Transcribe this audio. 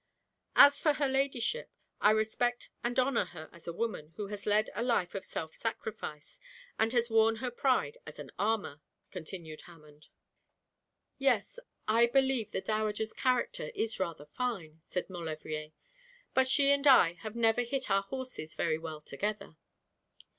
'As for her ladyship, I respect and honour her as a woman who has led a life of self sacrifice, and has worn her pride as an armour,' continued Hammond. 'Yes, I believe the dowager's character is rather fine,' said Maulevrier; 'but she and I have never hit our horses very well together.